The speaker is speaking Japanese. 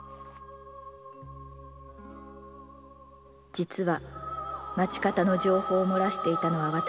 「実は町方の情報を漏らしていたのは私でございます」